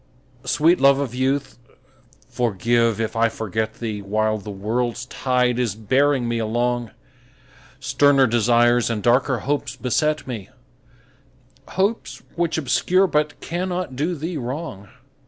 Sweet love of youth, forgive if I forget thee While the world's tide is bearing me along; Sterner desires and darker hopes beset me, Hopes which obscure but cannot do thee wrong.